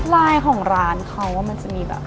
ลายของร้านเขามันจะมีแบบ